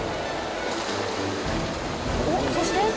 おっそして？